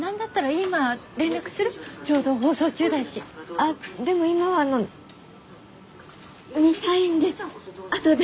あでも今はあの見たいんで。